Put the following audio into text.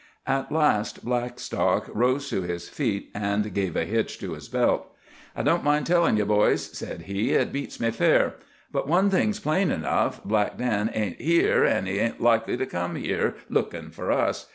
At last Blackstock rose to his feet, and gave a hitch to his belt. "I don't mind tellin' ye, boys," said he, "it beats me fair. But one thing's plain enough, Black Dan ain't here, an' he ain't likely to come here lookin' for us.